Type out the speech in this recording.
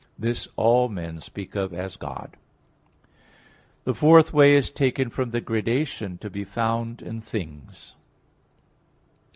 This all men speak of as God. The fourth way is taken from the gradation to be found in things.